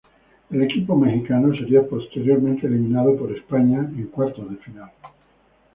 El equipo mexicano sería posteriormente eliminado por España en cuartos de final.